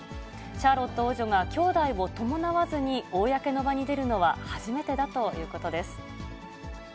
シャーロット王女が兄弟を伴わずに、公の場に出るのは初めてだということです。